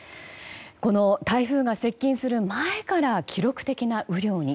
台風が接近する前から記録的な雨量に。